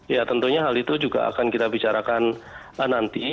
ya tentunya hal itu juga akan kita bicarakan nanti